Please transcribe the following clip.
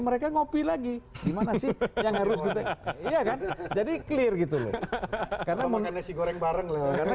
mereka ngopi lagi gimana sih yang harus jadi clear gitu karena mengenai si goreng bareng